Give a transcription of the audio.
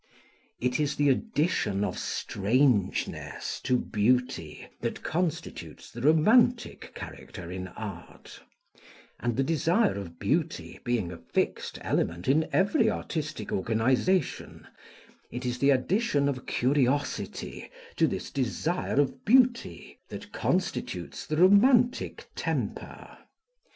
It is the addition of strangeness to beauty, that constitutes the romantic character in art; and the desire of beauty being a fixed element in every artistic organisation, it is the addition of curiosity to this desire of beauty, that constitutes the romantic temper.